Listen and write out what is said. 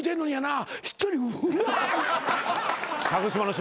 あ！